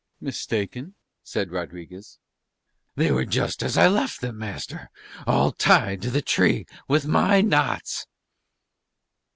"Mistaken?" said Rodriguez. "They were just as I left them, master, all tied to the tree with my knots."